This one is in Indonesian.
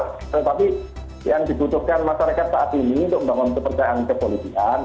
tetapi yang dibutuhkan masyarakat saat ini untuk membangun kepercayaan kepolisian